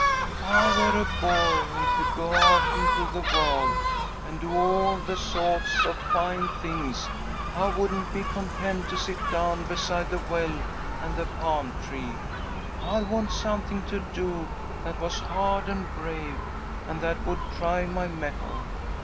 "If I were a boy, and could go out into the world and do all sawts of fine things, I wouldn't be content to sit down beside the well and the palm tree. I'd want something to do that was hard and brave, and that would try my mettle.